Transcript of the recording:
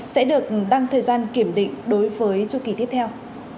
sẽ được đăng thời gian kiểm định đối với chu kỳ tiếp theo